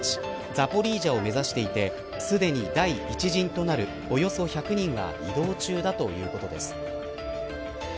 ザポリージャを目指していてすでに第１陣となるおよそ１００は移動中だということです。